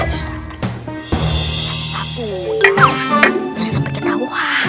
jangan sampai ketahuan